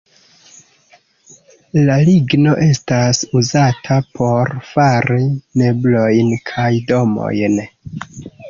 La ligno estas uzata por fari meblojn kaj domojn.